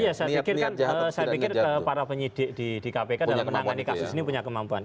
iya saya pikir para penyidik di kpk dalam menangani kasus ini punya kemampuan